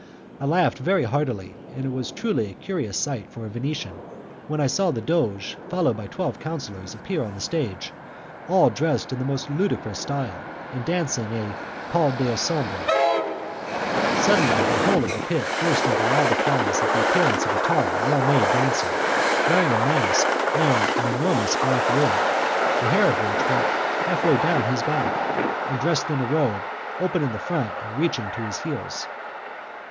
I laughed very heartily, and it was truly a curious sight for a Venetian, when I saw the Doge followed by twelve Councillors appear on the stage, all dressed in the most ludicrous style, and dancing a 'pas d'ensemble'. Suddenly the whole of the pit burst into loud applause at the appearance of a tall, well made dancer, wearing a mask and an enormous black wig, the hair of which went half way down his back, and dressed in a robe open in front and reaching to his heels.